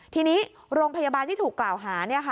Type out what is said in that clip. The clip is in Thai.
ทีนี้โรงพยาบาลที่ถูกกล่าวหา